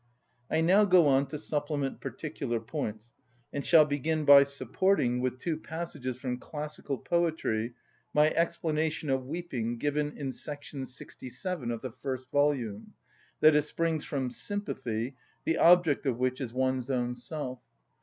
I now go on to supplement particular points, and shall begin by supporting, with two passages from classical poetry, my explanation of weeping given in § 67 of the first volume, that it springs from sympathy the object of which is one's own self.